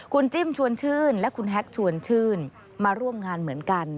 คุณจิ้มชวนชื่นและคุณแฮกชวนชื่นมาร่วมงานเหมือนกัน